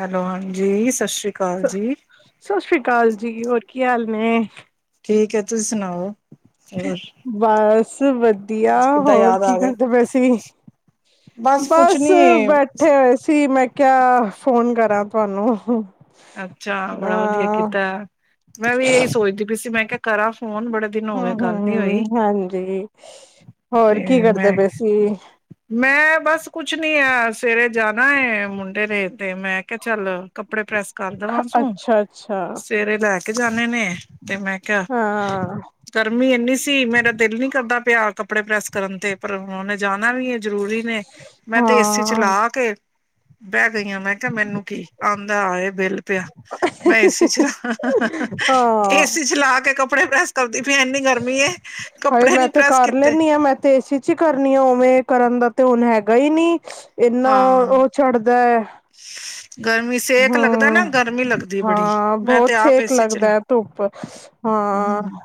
Hello ਹਾਂਜੀ ਸਤਿ ਸ਼੍ਰੀ ਸਤਿ ਸ੍ਰੀ ਅਕਾਲ ਜੀ, ਹੋਰ ਕੀ ਹਾਲ। ਮੈਂ ਠੀਕ ਹੈ ਤੁਸੀਂ ਸੁਣਾਓ। ਹੋਰ ਬੱਸ ਵਧੀਆ ਅੱਜ ਕਿੱਦਾਂ ਹੋਰ ਯਾਦ ਕੀ ਆ ਗਏ ਕਰਦੇ ਪੈ ਸੀ, ਕੁਛ ਬਸ ਨੀ ਬੈਠੇ ਹੋਏ ਸੀ ਮੈਂ ਕਿਆ ਫੋਨ ਕਰਾਂ ਤੁਹਾਨੂੰ। ਅੱਛਾ ਬੜਾ ਵਧੀਆ ਕੀਤਾ ਏ, ਮੈਂ ਵੀ ਇਹੀ ਸੋਚਦੀ ਪਈ ਸੀ ਮੈਂ ਕਿਹਾ ਕਰ ਹਮ ਹਮ ਹ ਹਾਂਜੀ ਹੋਰ ਤੇ ਕੀ ਮੈਂ ਕਰਦੇ ਪਏ ਸੀ ਮੈਂ ਬਸ ਕੁਛ ਨੀ ਆ ਸਵੇਰੇ ਜਾਣਾ ਹੈ ਮੁੰਡੇ ਨੇ ਤੇ ਮੈਂ ਕਿਹਾ ਚੱਲ ਕੱਪੜੇ ਪ੍ਰੈਸ ਕਰ ਦੇਵਾਂ ਤੂੰ ਅੱਛਾ ਅੱਛਾ ਸਵੇਰੇ ਲੈ ਕੇ ਜਾਣੇ ਨੇ ਤੇ ਮੈਂ ਕਿਹਾ ਹਾਂ ਗਰਮੀ ਇੰਨੀ ਸੀ ਮੇਰਾ ਦਿਲ ਨੀ ਕਰਦਾ ਪਿਆ ਕ ਕੱਪੜੇ ਪ੍ਰੈਸ ਕਰਨ ਤੇ ਪਰ ਹ ਨੇ ਜਾਣਾ ਵੀ ਹੈ ਜ਼ਰੂਰੀ ਨੇ ਮੈਂ ਤੇ ਏਸੀ ਹਾਂ ਚਲਾ ਕੇ ਬਹਿ ਗਈਆਂ ਮੈਂ ਕਿਹਾ ਮੈਨੂੰ ਕੀ ਆਉਂਦਾ ਆਏ ਬਿੱਲ ਪਿਆ ਮੈਂ ਏਸੀ ਚ ਏਸੀ ਚ ਲਾ ਕੇ ਕੱਪੜੇ ਪ੍ਰੈਸ ਕਰਦੀ ਪਈ ਇੰਨੀ ਗਰਮੀ ਏ ਹਰੇ ਕੱਪੜੇ ਮੈਂ ਨੀ ਤੇ ਪ੍ਰੈਸ ਕਰ ਕੀਤੇ ਲੈਦੀ ਹਾਂ ਮੈਂ ਤੇ ਏਸੀ ਚ ਹੀ ਕਰਨੀ ਆ ਉਵੇਂ ਕਰਨ ਦਾ ਤੇ ਹੁਣ ਹੈਗਾ ਹੀ ਨਹੀਂੀ ਇੰਨਾ ਹਾਂ ਉਹ ਚਛਡਦਾ ਹੈ ਗਰਮੀ ਸੇਕ ਲੱਗਦਾ ਨਾ ਹਮ ਗਰਮੀ ਲੱਗਦੀ ਬੜੀ ਹਾਂ ਮੈਂ ਬਹੁਤ ਤੇ ਆਪ ਛੇਕ ਏਸੀ ਲੱਗਦਾ ਚਲਾ ਹੈ ਧੁੱਪ ਹਾਂ ਹਮ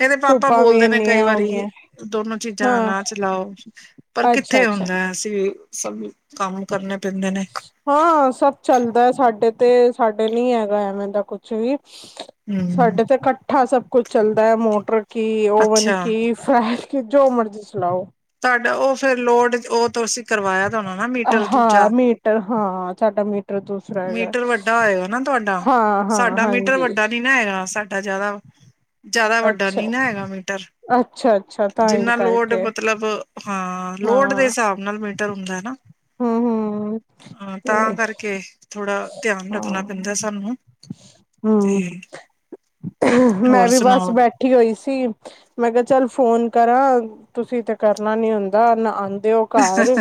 ਇਹਦੇ ਪਾਪਾ ਧੁੱਪਾਂ ਵੀ ਬੋਲਦੇ ਨੇ ਕਈ ਇੰਨੀਆਂ ਹੋ ਵਾਰੀ ਗਈਆਂ ਦੋਨੋ ਚੀਜ਼ਾਂ ਹਾਂ ਨਾ ਚਲਾਓ ਪਰ ਅੱਛਾ ਕਿੱਥੇ ਅੱਛਾ ਹੁੰਦਾ ਅਸੀਂ ਸਭ ਕੰਮ ਕਰਨੇ ਪੈਂਦੇ ਨੇ ਹਾਂ ਸਭ ਚੱਲਦਾ ਸਾਡੇ ਤੇ ਸਾਡੇ ਨ ਹੈਗਾ ਐਵੇਂ ਦਾ ਕੁਛ ਵੀ ਹੂੰ, ਸਾਡੇ ਤੇ ਇਕੱਠਾ ਸਭ ਕੁਛ ਚੱਲਦਾ ਹੈ ਮੋਟਰ ਕੀ ਓਵਨ ਅੱਛਾ। ਕੀ ਫੈ ਕਿ ਜੋ ਮਰਜ਼ੀ ਚਲਾਓ ਤੁਹਾਡਾ ਉਹ ਫੇਿਰ ਲੋੜ ਉਹ ਤੋਂਸੀਂ ਕਰਵਾਇਆ ਤਾਂ ਉਹਨਾਂ ਨਾ ਮੀਟਰ ਹਾਂ ਦੂਜਾ ਮੀਟਰ ਹਾਂ ਚਾਟਾ ਮੀਟ ਮੀਟਰ ਵੱਡਾ ਹੋਏਗਾ ਨਾ ਤੁਹਾਡਾ ਹਾਂ ਹਾਂ ਸਾਡਾ ਮੀਟਰ ਹਾਂਜੀ ਵੱਡਾ ਨ ਨਾ ਹੈਗਾ ਵਡਾ ਜ਼ਿਆਦਾ ਵ ਜ਼ਿਆਦਾ ਵੱਡਾ ਨੀ ਅੱਛਾ ਨਾ ਹੈਗਾ ਮੀਟਰ ਅੱਛਾ ਅੱਛਾ ਤਾਂ ਹੀ ਜਿੰਨਾ ਲੋਡ ਕਰਕੇ ਮਤਲਬ ਹਾਂ ਲੋੜ ਦੇ ਹਾਂ ਹਿਸਾਬ ਨਾਲ ਮੀਟਰ ਹੁੰਦਾ ਹੈ ਨਾ ਹਮ ਹਮ ਹਾਂ ਤੇ ਤਾਂ ਕਰਕੇ ਥੋੜਾ ਧਿਆਨ ਹਾਂ ਰੱਖਣਾ ਪੈਂਦਾ ਸਾਨੂੰ ਤੇ ਹਮ ਹੋਰ ਮੈਂ ਵੀ ਬਸ ਸੁਣਾਓ। ਬੈਠੀ ਹੋਈ ਸੀ ਮੈਂ ਕਿਹਾ ਚੱਲ ਫੋਨ ਕਰਾਂ ਤੁਸੀਂ ਤੇ ਕਰਨਾ ਨੀ ਹੁੰਦਾ ਨਾ ਤੇ ਉਹ ਘਰ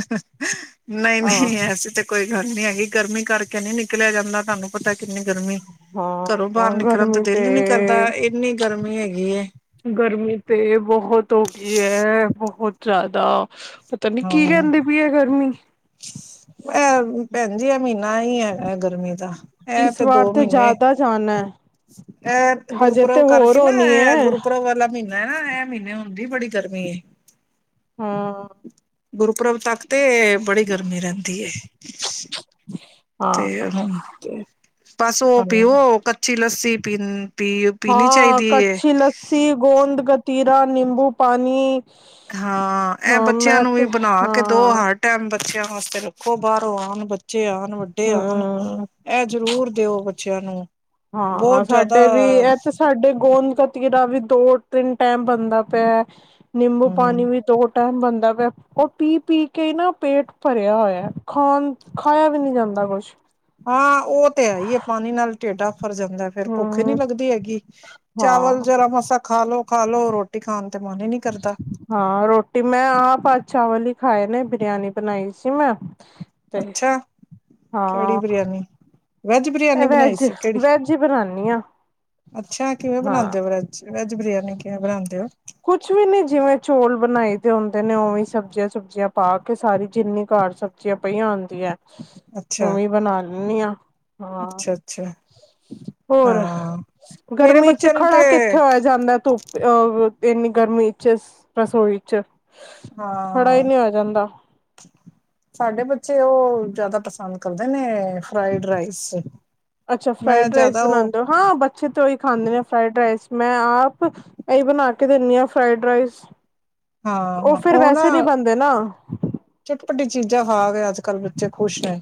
ਨਹੀਂ ਆਹ ਨਹੀਂ ਐਸੀ ਤਾਂ ਕੋਈ ਗੱਲ ਨਹੀਂੀ ਹੈਗੀ ਗਰਮੀ ਕਰਕੇ ਨਹੀਂੀ ਨਿਕਲਿਆ ਜਾਂਦਾ ਤੁਹਾਨੂੰ ਪਤਾ ਕਿੰਨੀ ਗਰਮੀ ਘਰੋਂ ਬਾਹਰ ਹਾਂ ਨਿਕਲਣ ਗਰਮੀ ਤੇ ਦਿਲ ਹੀ ਨੀ ਕਰਦਾ ਇੰਨੀ ਗਰਮੀ ਹੈਗੀ ਏ। ਗਰਮੀ ਤੇ ਬਹੁਤ ਹੋ ਗਈ ਹੈ ਬਹੁਤ ਜ਼ਿਆਦਾ ਪਤਾ ਨੀ ਕੀ ਹਾਂ ਕਹਿੰਦੀ ਪਈ ਹੈ ਗਰਮੀ ਹਜੀ ਅਮੀ ਹੀ ਹੈ ਗਰਮੀ ਦਾ ਇਹ ਇਸ ਤੇ ਵਾਰ ਦੋ ਮਹੀਨੇ ਜ਼ਿਆਦਾ ਜਾਣਾ ਹੈ ਇਹ ਹਜੇ ਤੇ ਗੁਰਪ੍ਰਬ ਹੋਰ ਕਰਕੇ ਨਾ ਹੋਣੀ ਹੈ ਗੁਰਪ੍ਰਬ ਵਾਲਾ ਮਹੀਨਾ ਮੈਂ ਨਾ ਇਹ ਮਹੀਨੇ ਹੁੰਦੀ ਬੜੀ ਗਰਮੀ ਹਾਂ ਗੁਰਪ੍ਰਬ ਤੱਕ ਤੇ ਬੜੀ ਗਰਮੀ ਰਹਿੰਦੀ ਤਸ ਹਾਂ ਪਾਸੋ ਹਾਂ ਪੀਵੋ ਕੱਚੀ ਲੱਸੀ ਪੀ ਪੀ ਪੀਣੀ ਹਾਂ ਚਾਹੀਦੀ ਹੈ ਤੀਰਾ ਨਿੰਬੂ ਪਾਣੀ ਹਾਂ ਇਹ ਹਾਂ ਬੱਚਿਆਂ ਮੈਂ ਨੂੰ ਵੀ ਤੇ ਬਣਾ ਕੇ ਦੋ ਹਾਂ ਹਰ ਟਾਈਮ ਬੱਚਿਆਂ ਵਾਸਤੇ ਰੱਖੋ ਬਾਹਰੋਂ ਆਉਣ ਬ ਹਮ ਜ਼ਰੂਰ ਦਿਓ ਬੱਚਿਆਂ ਨੂੰ ਹਾਂ ਬਹੁਤ ਜ਼ਿਆਦਾ ਸਾਡੇ ਵੀ ਇੱਥੇ ਸਾਡੇ ਗੋਦ ਗਤੀ ਦਾ ਵੀ ਦੋ ਤਿੰਨ ਟਾਈਮ ਬਣਦਾ ਪਿਆ ਨਿੰਬੂ ਪਾਣੀ ਹਮ ਵੀ ਦੋ ਟਾਈਮ ਬਣਦਾ ਉਹ ਪੀ ਪੀ ਕੇ ਨਾ ਪੇਟ ਭਰਿਆ ਹੋਇਆ ਖਾਣ ਖਾਇਆ ਵੀ ਨੀ ਜਾਂਦਾ ਕੁਛ ਹਾਂ ਉਹ ਤੇ ਹੈ ਹੀ ਹੈ ਪਾਣੀ ਨਾਲ ਸਟੇਟਫ ਰ ਜਾਂਦਾ ਫੇਿਰ ਭੁੱਖ ਨੀ ਹਮ ਲੱਗਦੀ ਹੈਗੀ ਚਾਵਲ ਹਾਂ ਜਰਾ ਮਸ ਖਾ ਲੋ ਖਾ ਲੋ ਰੋਟੀ ਖਾਣ ਤੇ ਮਨ ਹੀ ਨੀ ਕਰਦਾ ਹਾਂ ਰੋਟੀ ਮੈਂ ਆਪ ਆਜ ਚਾਵਲ ਹੀ ਖਾਏ ਨੇ ਬਰਿਆਨੀ ਬਣਾਈ ਸੀ ਮੈਂ ਤੇ ਅੱਛਾ ਕਿਹੜੀ ਹਾਂ ਬਰਿਆਨੀ ਵੈਜ ਬਰਿਆਨੀ ਇਹ ਬਣਾਈ ਵੈਜ ਸੀ ਕਿਹੜੀ ਵੈਜ ਹੀ ਬਣਾਉਾਨਦੀ ਹਾਂ ਅੱਛਾ ਕਿਵੇਂ ਹਾਂ ਬਣਾਉਂਦੇ ਹੋ ਬ੍ਰੈਜ ਵੈਜ ਬਿਰਿਆਨੀ ਕਿਵੇ ਬਣਾਉਂਦੇ ਹੋ ਕੁਛ ਵੀ ਨੀ ਜਿਵੇਂ ਚੌਲ ਬਣਾਈ ਦੇ ਹੁੰਦੇ ਨੇ ਉਵੇਂ ਸਬਜ਼ੀਆਂ ਸੁਬਜ਼ੀਆਂ ਪਾ ਕੇ ਸਾਰੀ ਜਿੰਨੀ ਘਰ ਸਬਜ਼ੀਆਂ ਪਈਆਂ ਹੁੰਦੀਆਂ। ਤੂੰ ਅੱਛਾ ਵੀ ਬਣਾ ਲੈਂਦੀ ਹ ਹਾਂ। ਅੱਛਾ ਅੱਛਾ ਹੋਰ ਹਾਂ ਮੇਰੇ ਗਰਮੀ ਚ ਬੱਚਿਆਂ ਨੂੰ ਤੇ ਖੜਾ ਕਿੱਥੇ ਹੋਇਆ ਤ ਅ ਇਹਨੀ ਗਰਮੀ ਚ ਰਸੋਈ ਚ ਖੜਾ ਹੀ ਹਾਂ ਨਹੀਂ ਹੋਇਆ ਜਾਂਦਾ। ਸਾਡੇ ਬੱਚੇ ਉਹ ਜ਼ਿਆਦਾ ਪਸੰਦ ਕਰਦੇ ਨੇ ਫਰਾਈਡ ਰਾਈਸ ਅੱਛਾ ਮੈਂ ਫਰਾਈਡ ਰਾਈਸ ਜ਼ਿਆਦਾ ਉਹ ਬਣਾਉਦੇ ਹੋ। ਹਾਂ ਬੱਚੇ ਤੇ ਉਹੀ ਖਾਂਦੇ ਨੇ ਫਰਾਈਡ ਰਾਈਸ ਮੈਂ ਆਪ ਇਹਹੀ ਬਣਾ ਕੇ ਦਿੰਦੀ ਹ ਫਰਾਈਡ ਰਾਈਸ ਉਹ ਫਿਰ ਵੈਸੇ ਨਹੀਂ ਬਣਦੇ ਨਾ, ਪਟੀ ਚੀਜ਼ਾਂ ਖਾ ਕੇ ਅੱਜ ਕੱਲ੍ਹ ਬੱਚੇ ਖੁਸ਼ ਨੇ।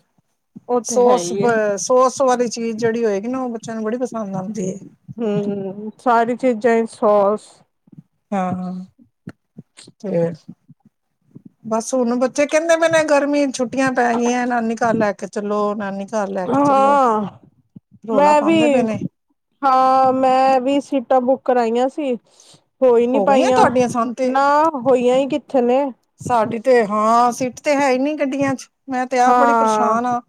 ਉਹ ਤੇ ਹੈ ਸੋਸ ਹੀ ਹੈ ਸੋਸ ਵਾਲੀ ਚੀਜ਼ ਜਿਹੜੀ ਹੋਏਗੀ ਨਾ ਉਹ ਬੱਚਿਆਂ ਨੂੰ ਬੜੀ ਪਸੰਦ ਆਉਂਦੀ ਹੈ। ਹਮ ਸਾਰੀ ਚੀਜ਼ਾਂ ਹੀ ਸੋਸ ਹਾਂ ਹਾਂ ਤੇ ਬਸ ਹੁਣ ਬੱਚੇ ਕਹਿੰਦੇ ਪਏ ਨੇ ਗਰਮੀ ਛੁੱਟੀਆਂ ਪੈ ਗਈਆਂ, ਨਾਨੀ ਘਰ ਲੈ ਕੇ ਚਲੋ ਨਾਨੀ ਘਰ ਲੈ ਕੇ ਚਲੋ ਹਾਂ ਰੌਲਾ ਮੈਂ ਵੀ ਪਾਉਂਦੇ ਪਏ ਨੇ ਹਾਂ ਮੈਂ ਵੀ ਸੀਟਾਂ ਬੁੱਕ ਕਰਾਈਆਂ ਸੀ ਹੋਈ ਨੀ ਹੋ ਗਈਆਂ ਪਾਈਆਂ। ਤੁਹਾਡੀਆਂ ਸਨ ਤੇ ਨਾ ਹੋਈਆਂ ਹੀ ਕਿੱਥੇ ਨੇ। ਸਾਡੀ ਤੇ ਹਾਂ ਸੀਟ ਤੇ ਹੈ ਹੀ ਨੀ ਗੱਡੀਆਂ ਚ ਮੈਂ ਤੇ ਆਪ ਬੜੀ ਹਾਂ ਪਰੇਸ਼ਾਨ ਆ,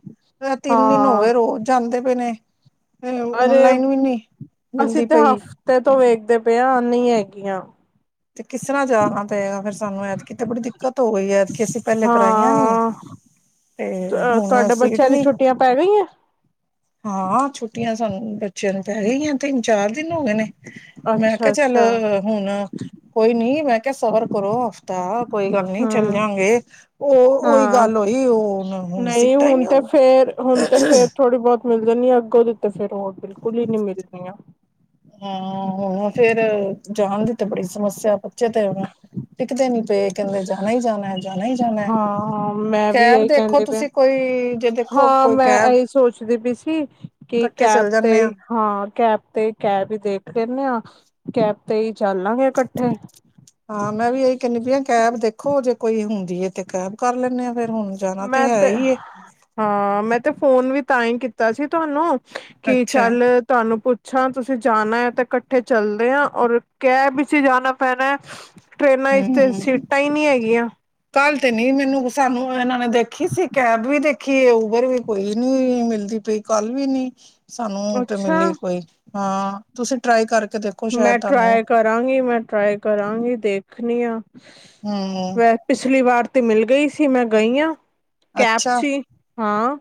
ਤਿੰਨ ਦਿਨ ਹੋਗੇ ਹਾਂ ਨੇ, ਰੋਜ਼ ਜਾਂਦੇ ਪਏ ਨੇ। ਅਰੇ ਓਨਲਾਈਨ ਵੀ ਨੀ ਅਸੀਂ ਮਿਲਦੀ ਤੇ ਪਈ। ਹਫ਼ਤੇ ਤੋਂ ਵੇਖਦੇ ਪਏ ਹਾਂ। ਨਹੀਂ ਹੈਗੀਆਂ। ਤੇ ਕਿਸ ਤਰ੍ਹਾਂ ਜਾਣਾ ਪਏਗਾ ਫੇਰ ਸਾਨੂੰ ਐਤਕੀ ਬੜੀ ਦਿੱਕਤ ਹੋ ਗਈ ਹੈ, ਐਤਕੀ ਅਸੀਂ ਪਹਿਲੇ ਕਰਾਈਆਂ ਨੀ, ਹਾਂ ਤੇ ਹੁਣ ਤੁਹਾਡੇ ਸੀਟ ਬੱਚਿਆਂ ਦੀ ਨੀ ਛੁੱਟੀਆਂ ਪੈ ਗਈਆਂ ਹਾਂ ਛੁੱਟੀਆਂ ਸਾਨੂੰ ਬੱਚਿਆਂ ਨੂੰ ਪੈ ਗਈਆ ਨੇ ਤਿੰਨ ਚਾਰ ਦਿਨ ਹੋ ਗਏ ਨੇ, ਮੈਂ ਅੱਛਾ ਕਿਹਾ ਚੱਲ ਅੱਛਾ ਹੁਣ ਕੋਈ ਨੀ ਮੈਂ ਸਵਰ ਕਰੋ ਹਫ਼ਤਾ ਕੋਈ ਗੱਲ ਨਹੀਂ ਚੱਲ ਹਮ ਜਾਂਗੇ, ਉਹ ਉਹੀ ਹਾਂ ਗੱਲ ਹੋਈ ਉਹ ਹੁਣ ਸੀਟਾਂ ਹੀ ਹੁਣ ਨਹੀਂ ਤੇ ਹੁੰਦੀ ਫੇਰ ਹੁਣ ਤੇ ਫੇਰ ਥੋੜ੍ਹੀ ਬਹੁਤ ਮਿਲ ਜਾਂਦੀ ਆ ਅੱਗੋਂ ਦੇਤੇ ਫੇਰ ਹੋ ਬਿਲਕੁਲ ਹੀ ਨਹੀਂ ਮਿਲਦੀਆਂ ਹਾਂ ਹੁਣ ਫੇਰ ਜਾਣ ਦੀ ਤੇ ਬੜੀ ਸਮੱਸਿਆ ਬੱਚੇ ਤੇ ਇੱਕ ਦਿਨ ਕਹਿੰਦੇ ਜਾਣਾ ਹੀ ਜਾਣਾ ਹੈ ਜਾਣਾ ਹੀ ਜਾਣਾ ਹੈ, ਹਾਂ ਮੈਂ ਵੀ ਕੈਬ ਇਹੀ ਦੇਖੋ ਕਹਿੰਦੇ ਪਏ ਤੁਸੀਂ ਕੋਈ ਜੇ ਦੇਖੋ ਕੋਈ ਕੈਬ ਕੀ ਕੀ ਇਕੱਠੇ ਕੈਬ ਚੱਲ ਤੇ ਜਾਂਦੇ ਆ ਹਾਂ ਕੈਬ ਤੇ ਕੈਬ ਹੀ ਦੇਖ ਲੈਂਦੇ ਹਾਂ ਕੈਬ ਤੇ ਹੀ ਚੱਲਾਂਗੇ ਇਕੱਠੇ ਹਾਂ ਮੈਂ ਵੀ ਇਹੀ ਕਹਿੰਦੀ ਪਈ ਕੈਬ ਦੇ ਦੇਖੋ ਜੇ ਕੋਈ ਹੁੰਦੀ ਹੈ ਤੇ ਕੈਬ ਕਰ ਲੈਂਦੇ ਹਾਂ ਮੈਂ ਤੇ ਹਾਂ ਮੈਂ ਤੇ ਫੋਨ ਵੀ ਤਾਂ ਹੀ ਕੀਤਾ ਸੀ ਤੁਹਾਨੂੰ ਕੀ ਅੱਛਾ ਚੱਲ ਤੁਹਾਨੂੰ ਪੁੱਛ ੱਛਾ ਤੁਸੀਂ ਜਾਣਾ ਹੈ ਤਾਂ ਇਕੱਠੇ ਚੱਲਦੇ ਹ ਔਰ ਕੈਬ ਅ ਜਾਣਾ ਪੈਣਾ ਹੈ ਟ੍ਰੇਨਾਂ ਵਿਚ ਤੇ ਹੂੰ ਸੀਟਾਂ ਹੀ ਨਹੀਂੀ ਹੈਗੀਆਂ ਕੱਲ ਤੇ ਨੀ ਮੈਨੂੰ ਸਾਨੂੰ ਇਹਨਾਂ ਨੇ ਦੇਖੀ ਸੀ ਕੈਬ ਵੀ ਦੇਖੀ ਕਿ ਉਬਰ ਵੀ ਕੋਈ ਨੀ ਮਿਲਦੀ ਪਈ ਕੱਲ ਵੀ ਨੀ ਸਾਨੂੰ ਤੇ ਅੱਛਾ ਮਿਲੀ ਕੋਈ ਹਾਂ ਤੁਸੀਂ ਟਰਾਈ ਕਰਕੇ ਦੇਖੋ ਮੈਂ ਸ਼ਾਇਦ ਤੁਹਾਨੂੰ ਟਰਾਾਈ ਕਰਾਂਗੀ ਮੈਂ ਟਰਾਈ ਕਰਾਂਗੀ ਦੇਖ ਰੱਖਣੀ ਹ ਹੂੰ ਮੈਂ ਪਿਛਲੀ ਵਾਰ ਤੇ ਮਿਲ ਗਈ ਸੀ ਮੈਂ ਗਈ ਹਾਂ ਕੈਪ ਅੱਛਾ ਚ ਹਾਂ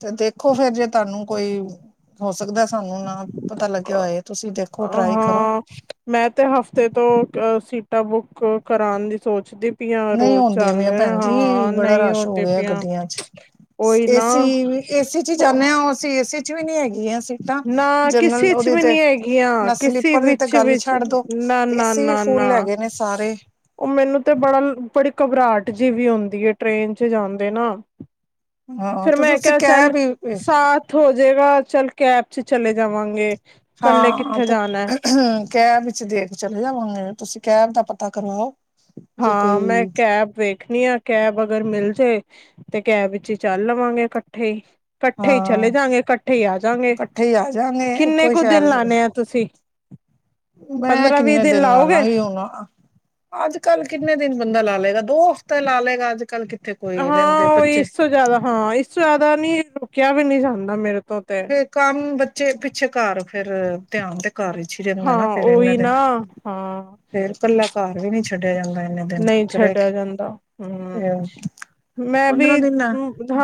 ਤੇ ਦੇਖੋ ਫੇਰ ਜੇ ਤੁਹਾਨੂੰ ਕੋਈ ਹੋ ਸਕਦਾ ਸਾਨੂੰ ਨਾ ਪਤਾ ਲੱਗਿਆ ਹੋਏ ਤੁਸੀਂ ਦੇਖੋ ਟਰਾਈ ਕਰੋ ਹਾਂ ਮੈਂ ਤੇ ਹਫ਼ਤੇ ਤੋਂ ਅ ਸੀ ਟ ਬੁੱਕ ਕਰਾਉਣ ਦੀ ਸੋਚਦੀ ਪਈ ਆ ਨਹੀਂ ਰੋਜ਼ ਆਉਂਦੀਆਂ ਜਾਂਦੇ ਵੀਆ ਨੇ ਭੈਣ ਜੀ ਹਾਂ ਬੜਾ ਨਹੀਂ ਰਸ਼ ਹੋ ਹੁੰਦੀ ਗਿਆ ਪਈਆਂ ਗੱਡੀਆਂ ਚ ਉਹੀ ਨਾ ਏਸੀ ਏਸੀ ਚ ਜਾਂਦੇ ਅਸੀਂ ਏਸੀ ਚ ਵੀ ਨਹੀਂੀ ਹੈਗੀ ਨਾ ਕਿਸੇ ਚ ਵੀ ਨਹੀਂੀ ਹੈਗੀਆਂ ਨਾ ਕਿਸੇ ਸਲੀਪਰ ਦੀ ਤਾਂ ਵਿੱਚ ਗੱਲ ਹੀ ਵੀ ਛੱਡ ਦੋ ਨਾ ਤੇ ਨਾ ਅਸੀਂ ਵੀ ਨਾ ਫੁੱਲ ਨਾ ਹੈਗੇ ਨੇ ਸਾਰੇ ਉਹ ਮੈਨੂੰ ਤੇ ਬੜਾ ਬੜੀ ਘਬਰਾਹਟ ਜਿ ਵੀ ਹੁੰਦੀ ਹੈ ਟ੍ਰੇਨ ਚ ਜਾਂਦੇ ਨਾ ਹਾਂ ਫਿਰ ਤੇ ਮੈਂ ਤੁਸੀਂ ਕਿਹਾ ਚੱਲ ਕੈਬ ਹੀ ਸਾਥ ਹੋ ਜੇਗਾ ਚੱਲ ਕੈਬ ਚ ਚਲੇ ਜਾਵਾਂਗੇ ਇਕੱਲੇ ਹਾਂ ਕਿੱਥੇ ਤੇ ਜਾਣਾ ਕਹਿ ਵਿੱਚ ਦੇ ਚਲੇ ਜਾਵਾਂਗੇ ਤੁਸੀਂ ਕੈਬ ਦਾ ਪਤਾ ਕਰਵਾਓ ਜੇ ਹਾਂ ਮੈਂ ਕੋਈ ਕੈਬ ਵੇਖਣੀ ਆ ਕੈਬ ਅ ਅਗਰ ਮਿਲ ਜੇ ਤੇ ਕੈਬ ਵਿੱਚ ਹੀ ਚੱਲ ਲਵਾਂਗੇ ਇਕੱਠੇ ਹੀ ਇਕੱਠੇ ਹੀ ਚਲੇ ਹਾਂ ਜਾਗੇ ਇਕੱਠੇ ਹੀ ਆ ਜਾਗੇ ਕੱਠੇ ਈ ਆਜਾਂਗੇ ਕਿੰਨੇ ਇੱਕੋ ਕੁ ਸ਼ਹਿਰ ਦਿਨ ਚ, ਲਾਣੇ ਆ ਤੁਸੀਂ ਮੈਂ ਪੰਦਰਾਂ ਵੀਹ ਕਿੰਨੇ ਦਿਨ ਲਾ ਲਾਓਗੇ ਲਾਂਗੀ ਹੁਣ ਅੱਜ ਕੱਲ ਕਿੰਨੇ ਦਿਨ ਬੰਦਾ ਲਾ ਲਏਗਾ? ਦੋ ਹਫ਼ਤੇ ਲਾ ਲਏਗਾ ਕੱਲ ਕਿੱਥੇ ਕੋਈ ਹਾਂ ਰਹਿੰਦੇ ਉਹ ਬੱਚੇ ਇਸ ਤੋਂ ਜ਼ਿਆਦਾ ਹਾਂ ਇਸ ਤੋਂ ਜ਼ਿਆਦਾ ਨੀ ਰੁਕਿਆ ਵੀ ਨੀ ਜਾਂਦਾ ਮੇਰੇ ਤੋਂ ਤੇ ਫੇਰ ਕੰਮ ਬੱਚੇ ਪਿੱਛੇ ਘਰ ਫੇਰ ਧਿਆਨ ਦੇਣ ਹਾਂ ਉਹੀ ਨਾ ਹਾਂ ਫੇਰ ਕੱਲਾ ਘਰ ਵੀ ਨੀ ਛੱਡਿਆ ਜਾਂਦਾ ਇੰਨੇ ਦਿਨ ਨਹੀਂ ਤੇ ਰਹਿ ਛੱਡਿਆ ਕੇ ਜਾਂਦਾ ਹੂੰ ਤੇ ਮੈਂ ਪੰਦਰਾਂ ਵੀ ਦਿਨ ਹੈ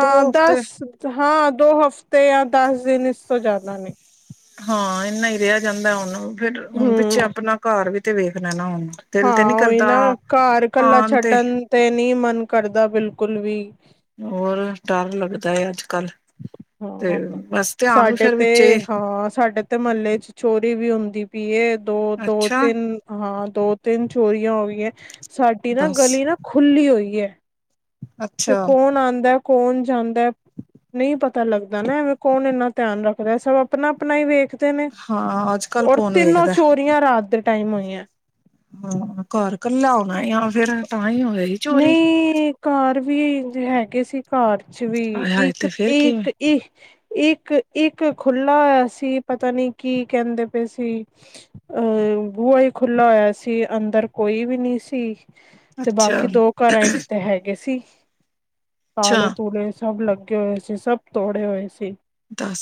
ਦੋ ਹਫ਼ਤੇ ਦਸ ਹਾਂ ਦੋ ਹਫ਼ਤੇ ਦਸ ਦਿਨ ਇਸ ਤੋਂ ਜ਼ਿਆਦਾ ਨੀ ਹਾਂ ਇੰਨਾ ਹੀ ਰਿਹਾ ਜਾਂਦਾ ਹੁਣ ਫੇਰ ਹੁਣ ਹਮ ਪਿੱਛੇ ਆਪਣਾ ਘਰ ਵੀ ਤੇ ਵੇ [inaudible] ਹਾਂ ਉਹੀ ਨਾ ਘਰ ਕੱਲਾ ਆਣ ਤੇ ਛੱਡਣ ਤੇ ਨੀ ਮਨ ਕਰਦਾ ਬਿਲਕੁਲ ਵੀ ਹੋਰ ਡਰ ਲੱਗਦਾ ਹੈ। ਕੱਲ ਤੇ ਹਾਂ ਬਸ ਧਿਆਨ ਨੂੰ ਸਾਡੇ ਫਿਰ ਤੇ ਵਿੱਚ ਹਾਂ ਸਾਡੇ ਤੇ ਮਹੱਲੇ ਚ ਚੋਰੀ ਵੀ ਹੁੰਦੀ ਦੀ ਪਈ ਏ ਦੋ ਦੋ ਅੱਛਾ ਤਿੰਨ ਹਾਂ ਦੋ ਤਿੰਨ ਚੋਰੀਆਂ ਹੋ ਗਈਆਂ ਸਾਡੀ ਨਾ ਬਸ ਗਲੀ ਨਾ ਖੁੱਲੀ ਹੋਈ ਹੈ। ਤੇ ਅੱਛਾ ਕੌਣ ਆਂਦਾ ਕੌਣ ਜਾਣ ਦਾ ਨਹੀਂ ਪਤਾ ਲੱਗਦਾ ਨਾ ਐਵੇਂ ਕੌਣ ਇੰਨਾ ਧਿਆਨ ਰੱਖ ਰਹੇ ਸਭ ਆਪਣਾ ਆਪਣਾ ਹੀ ਵੇਖ ਦੇ ਨੇ ਹਾਂ ਅੱਜ ਕੱਲ ਔਰ ਕੌਣ ਤਿੰਨੋ ਵੇਖਦਾ ਚੋਰੀਆਂ ਰਾਤ ਦੇ ਟਾਈਮ ਹੋਈਆ ਹਾਂ ਘਰ ਕੱਲਾ ਹੋਣਾ ਫੇਰ ਤਾਂ ਹੀ ਹੋਰੀ ਚੋਰੀ। ਨਹੀਂ ਘਰ ਵੀ ਹੈਗੇ ਸੀ ਘਰ ਚ ਵੀ ਹਾਏ ਹਾਏ ਇੱਕ ਤੇ ਫੇਰ ਇਹ ਕਿਵੇਂ ਇੱਕ ਇੱਕ ਇੱਕ ਖੁਲਾ ਹੋਇਆ ਸੀ ਪਤਾ ਨੀ ਕੀ ਕਹਿੰਦੇ ਪਏ ਸੀ ਅਹ ਬੁਹਾ ਹੀ ਖੁਲਾ ਹੋਇਆ ਸੀ ਅੰਦਰ ਕੋਈ ਵੀ ਨਹੀਂ ਸੀ। ਤੇ ਅੱਛਾ ਬਾਕੀ ਦੋ ਘਰਾਂ ਚ ਤੇ ਹੈਗੇ ਸੀ। ਤਾਂਲੇ ਅੱਛਾ ਤੂਲੇ ਸਭ ਲੱਗੈ ਹੋਏ ਸੀ ਸਭ ਤੋੜੇ ਹੋਏ ਸੀ। ਦਸ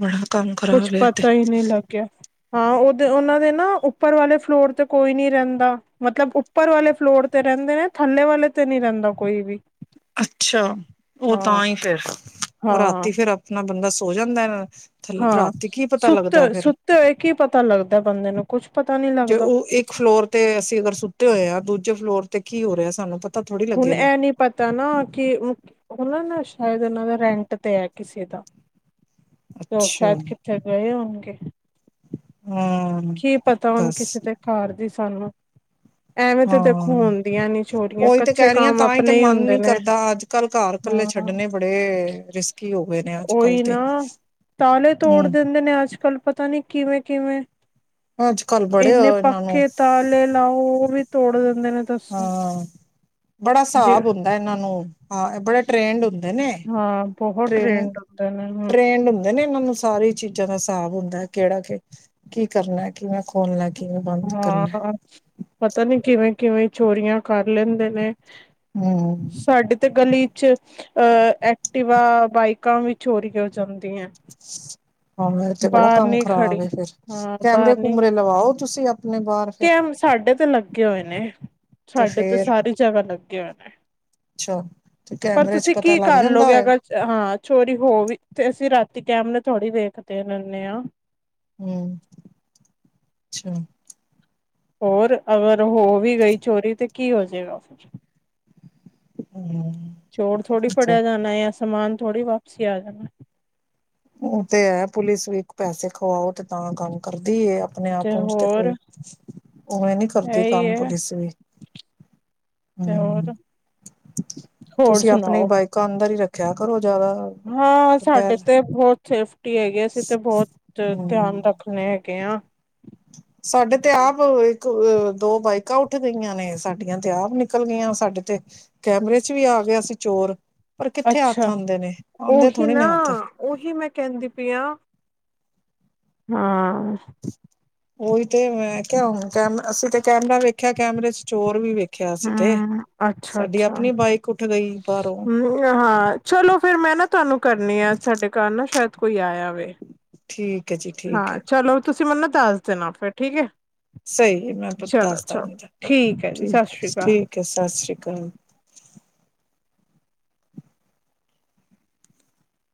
ਬੜਾ ਕੰਮ ਕੁਛ ਖਰਾਬ ਏ ਤੇ। ਪਤਾ ਹੀ ਨਹੀਂ ਲੱਗਿਆ ਹਾਂ, ਉਹਦੇ ਉਹਨਾਂ ਦੇ ਨਾ ਉੱਪਰ ਵਾਲੇ ਫਲੋਰ ਤੇ ਕੋਈ ਨੀ ਰਹਿੰਦਾ ਮਤਲਬ ਉੱਪਰ ਵਾਲੇ ਫਲੋਰ ਤੇ ਰਹਿੰਦੇ ਨੇ ਥੱਲੇ ਵਾਲੇ ਤੇ ਨੀ ਰਹਿੰਦਾ। ਕੋਈ ਵੀ ਅੱਛਾ, ਉਹ ਹਾਂ ਤਾਂਹੀ ਫਿਰ ਉਹ ਹਾਂ ਰਾਤੀ ਫੇਿਰ ਆਪਣਾ ਬੰਦਾ ਹੋ ਜਾਂਦਾ ਨਾ। ਹਾਂ, ਸੁੱਤੇਏ ਸੁੱਤੇ ਹੋਏ ਕੀ ਪਤਾ ਲੱਗਦਾ ਬੰਦੇ ਨੂੰ ਕੁੱਛ ਪਤਾ ਨੀ ਜੇ ਲੱਗਦਾ। ਉਹ ਇੱਕ ਫਲੋਰ ਤੇ ਅਸੀਂ ਅਗਰ ਸੁੱਤੇ ਹੋਏ ਆ ਦੂਜੇ ਫਲੋਰ ਤੇ ਕੀ ਹੋ ਰਿਹਾ ਸਾਨੂੰ ਪਤਾ। ਥੋੜ੍ਹੀ ਹੁਣ ਲੱਗੇਗਾ ਇਹ ਨੀ ਪਤਾ ਨਾ। ਤੇ ਉਹਨਾ ਦਾ ਸ਼ਾਇਦ ਉਹਨਾਂ ਦਾ ਰੈਂਟ ਤੇ ਹੈ ਕਿਸੇ ਦਾ? ਲੋਕ ਅੱਛਾ ਸ਼ਾਇਦ ਕਿੱਥੇ ਗਏ ਉਗੇ। ਹਾਂ ਕੀ ਪਤਾ ਹੁਨ ਦੱਸ ਕਿਸੇ ਤੇ ਘਰ ਦੀ? ਸਾਨੂੰ ਐਵੇਂ ਤਾਂ ਹਾਂ ਦੇਖੋ ਹੁੰਦੀਆਂ ਨੀ ਚੋਰੀਆਂ ਉਹੀ ਤੇ ਕੱਚੇ ਕਹਿ ਰਹੀ ਹਾਂ ਕਮ ਤਾਂ ਤੇ ਆਪਣੇ ਹੀ ਮਨ ਹੁੰਦੇ ਨੀ ਨੇ ਕਰਦਾ ਅੱਜ ਕੱਲ ਘਰ ਇਕੱਲੇ ਹਾਂ ਛੱਡਣੇ ਬੜੇ ਰਿਸਕੀ ਹੋ ਗਏ ਨੇ ਅੱਜ ਕੱਲ ਉਹੀ ਤੇ ਨਾ ਤਾਲੇ ਤੋੜ ਹਮ ਦਿੰਦੇ ਨੇ ਅੱਜ-ਕੱਲ ਪਤਾ ਨੀ। ਕਿਵੇਂ ਕਿਵੇਂ? ਅੱਜ ਕੱਲ ਬੜੇ ਇੰਨੇ ਇਹਨਾਂ ਨੂੰ ਪੱਕੇ ਤਾਲੇ ਲਾਓ। ਉਹ ਵੀ ਤੋੜਿੰ ਤੇ ਇਹਨੂੰ ਦੱਸੋ। ਹਾਂ ਬੜਾ ਹਿਸਾਬ ਹੁੰਦਾ ਇਹਨਾਂ ਨੂੰ, ਹਾਂ ਬੜੇ ਟ੍ਰੇਨਡ ਹੁੰਦੇ ਨੇ ਹਾਂ ਬਹੁਤ ਟੇਡ ਟ੍ਰੇਨਡ ਹੁੰਦੇ ਨੇ ਹੂੰ ਟੇਟ੍ਰਡ ਹੁੰਦੇ ਨੇ ਇਹਨਾਂ ਨੂੰ ਸਾਰੀ ਚੀਜ਼ਾਂ ਦਾ ਹਿਸਾਬ ਹੁੰਦਾ ਹੈ, ਕਿਹੜਾ ਕਿ ਕੀ ਕਰਨਾ ਕਿਵੇੈਂ ਖੋਲਣਾ। ਕਿਵੇਂ ਬੰਦ ਕਰਨਾ ਹਾਂ ਪਤਾ ਨੀ ਕਿਵੇਂ? ਕਿਵੇਂ ਚੋਰੀਆਂ ਕਰ ਲੈਂਦੇ ਨੇ। ਹਮ ਸਾਡੇ ਤੇ ਗਲੀ ਚ ਅ ਐਕਟੀਿਵਾ, ਬਾਈਕਾਂ ਵੀ ਚੋਰੀ ਹੋ ਜਾਂਦੀਆਂ ਨੋ। [unintelligible] ਹਾਂ ਇਹ ਤੇ ਬੜਾ ਕੰਮ ਨੀ ਖੜੀ ਖਰਾਬ ਫਿਰ ਹਾਂ ਕੈਮਰੇ ਬਾਹਰ ਨੀ ਕੁੂਮਰੇ ਲਵਾਓ ਤੁਸੀਂ ਆਪਣੇ ਬਾਹਰ ਫਿਰ। ਕੈਮ ਸਾਡੇ ਤੇ [unintelligible] ਸਾਡੇ ਤੇ ਸਾਰੀ ਜਗ੍ਹਾ ਲੱਗੇ ਹੋਏ। ਨੇ ਅੱਛਾ ਤੇ ਪਰ ਕੈਮਰੇ ਚ ਤੁਸੀਂ ਪਤਾ ਕੀ ਲੱਗ ਜਾਂਦਾ ਕਰਲਓਗੇ ਹੋਏ ਅਗਰ ਹਾਂ ਚੋਰੀ ਹੋ ਵੀ ਤੇ ਅਸੀਂ ਕੈਮਰਾ ਥੋੜੀ ਦੇਖ ਤੇਖ ਲੈਨੇਆ। ਹੂੰ ਅੱਛਾ। ਹੋਰ, ਅਗਰ ਹੋ ਵੀ ਗਈ ਚੋਰੀ ਤੇ ਕੀ ਹੋਜਏਗਾ ਹਮ ਚੋਰ ਥੋੜੀ ਅੱਛਾ ਫੜਿਆ ਜਾਣਾ ਹੈ। ਸਮਾਨ ਥੋੜ੍ਹੀ ਵਾਪਸੀ ਆ ਜਾਣਾ। ਉਹ ਤੇ ਹੈ ਪੁਲਿਸ ਵੀ ਇੱਕ ਪੈਸੇ ਖਵਾਓ ਤੇ ਤਾਂ ਕੰਮ ਕਰਦੀ। ਆਪਣੇ ਆਪ ਤੇ ਕੋਈ ਉਵੇਂ ਨੀ ਕਰਦੀ ਇਹੀ ਕੰਮ ਹੈ ਪੁਲਿਸ ਵੀ। ਤੇ ਹੂੰ, ਹੋਰ ਹੋਰ ਤੁਸੀਂ ਆਪਣੀ ਸੁਣਾਓ ਬਾਈਕਾਂ ਅੰਦਰ ਹੀ ਰੱਖਿਆ ਕਰੋ ਜ਼ਿਆਦਾ ਦੁਪਹਿਰ ਸੇਫ [unintelligible] ਛੁੱਟੀ ਹੈਗੀ, ਅਸੀਂ ਤੇ ਬਹੁਤ ਧਿਆਨ ਹੂੰ, ਰੱਖਣੇ ਹੈਗੇ ਆ। ਸਾਡੇ ਤੇ ਆਪ ਤੇ ਉਹ ਦੋ ਬਾਈਕਾਂ ਉੱਠ ਗਈਆਂ ਨੇ, ਸਾਡੀਆਂ ਤੇ ਆਪ ਨਿਕਲ ਗਈਆਂ, ਸਾਡੇ ਤੇ ਕੈਮਰੇ ਚ ਵੀ ਆ ਗਿਆ ਸੀ ਚੋਰ। ਪਰ ਕਿੱਥੇ ਹੱਥ ਅੱਛਾ, ਆਉਂਦੇ ਨੇ ਆਉਂਦੇ ਉਹੀ ਥੋੜ੍ਹੀ ਨੇ ਨਾ ਹੱਥ ਉਹੀ ਮੈਂ ਕਹਿੰਦੀ ਪਈ ਆਂ। ਹਾਂ। ਉਹੀ ਤੇ ਮੈਂ ਕਿ ਹੁਨ ਟਾਈਮ ਅਸੀ ਤੇ। ਕੈਮਰਾ ਵੇਖਿਆ ਕੈਮਰੇ ਚ ਚੋਰ ਵੀ ਵੇਖ ਹੂੰ ਅੱਛਾ, ਅੱਛਾ ਬਾਈਕ ਉੱਠ ਗਈ ਬਾਹਰੋਂ ਹੂੰ ਹਾਂ ਚਲੋ ਫਿਰ ਮੈਂ ਨਾ ਤੁਹਾਨੂੰ ਕਰਨੀ ਆ ਸਾਡੇ ਘਰ ਨਾ ਸ਼ਾਇਦ ਕੋਈ ਆਇਆ ਵੇ। ਠੀਕ, ਠੀਕ ਹੈ ਜੀ, ਠੀਕ ਹਾਂ ਹੈ। ਚਲੋ ਤੁਸੀਂ ਮੈਨੋ ਨਾ ਦੱਸ ਦੇਣਾ, ਫੇਰ ਠੀਕ ਏ। ਸਹੀ ਹੈ, ਮੈਂ ਤੁਹਾਨੂੰ ਦੱਸਦਾਗੀ ਹੈ ਜੀ ਸਤਿ ਠੀਕ, ਸ਼੍ਰੀ ਅਕਾਲ ਠੀਕ ਹੈ ਸਤਿ ਸ੍ਰੀ ਅਕਾਲ।